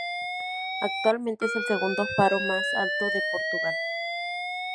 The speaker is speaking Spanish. Actualmente es el segundo faro más alto de Portugal.